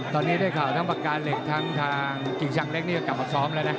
ตอนนี้ได้ข่าวทั้งปากกาเหล็กทั้งทางกิ่งชังเล็กนี่ก็กลับมาซ้อมแล้วนะ